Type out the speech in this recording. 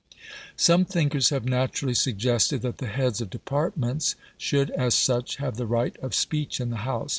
Some thinkers have naturally suggested that the heads of departments should as such have the right of speech in the House.